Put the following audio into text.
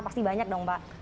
pasti banyak dong pak